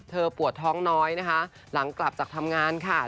ปวดท้องน้อยนะคะหลังกลับจากทำงานค่ะ